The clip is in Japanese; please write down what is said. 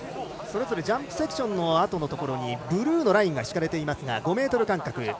それぞれジャンプセクションのあとのところにブルーラインが引かれていますが５ｍ間隔。